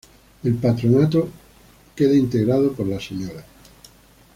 El Patronato queda integrado por la Sra.